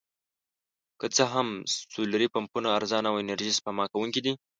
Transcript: که څه هم سولري پمپونه ارزانه او انرژي سپما کوونکي دي.